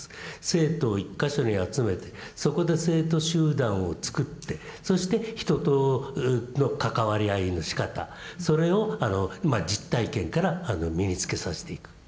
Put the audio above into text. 生徒を１か所に集めてそこで生徒集団をつくってそして人との関わり合いのしかたそれを実体験から身につけさせていく。